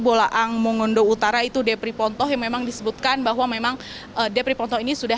bolaang mongondo utara itu depri pontoh yang memang disebutkan bahwa memang depri ponto ini sudah